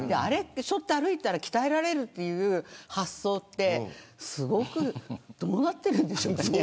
ちょっと歩いたら鍛えられるという発想ってどうなっているんでしょうかね